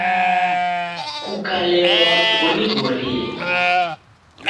Kukalemwa kunighorie